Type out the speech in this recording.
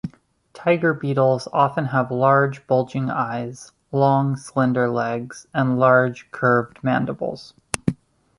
Tiger beetles often have large bulging eyes, long, slender legs and large curved mandibles.